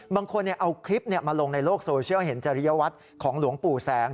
บางคนเอาคลิปมาลงในโลกโซเชียลเห็นจริยวัตรของหลวงปู่แสง